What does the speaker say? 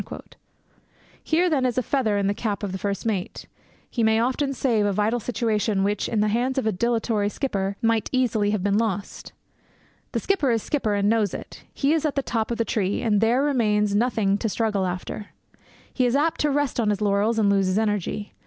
Here, then, is a feather in the cap of the first mate. He may often save a vital situation which, in the hands of a dilatory skipper, might easily have been lost. The skipper is skipper, and knows it. He is at the top of the tree, and there remains nothing to struggle after. He is apt to rest on his laurels and lose his energy.